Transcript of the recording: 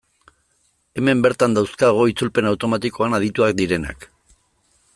Hemen bertan dauzkagu itzulpen automatikoan adituak direnak.